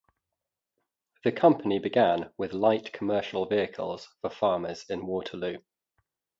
The company began with light commercial vehicles for farmers in Waterloo.